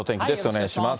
お願いします。